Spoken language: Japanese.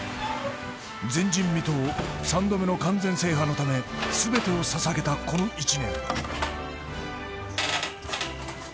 前人未到、３度目の完全制覇のため、全てをささげたこの１年。